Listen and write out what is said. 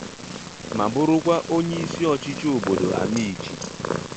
ma bụrụkwa onyeisi ọchịchị obodo Amichi